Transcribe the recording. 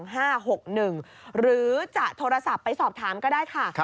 หรือจะโทรศัพท์ไปสอบถามก็ได้ค่ะ